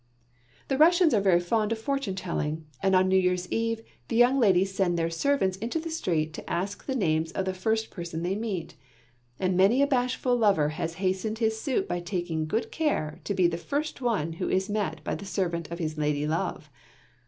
The Russians are very fond of fortune telling, and on New Year's eve the young ladies send their servants into the street to ask the names of the first person they meet, and many a bashful lover has hastened his suit by taking good care to be the first one who is met by the servant of his lady love.